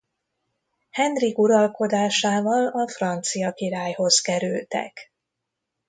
Henrik uralkodásával a francia királyhoz kerültek.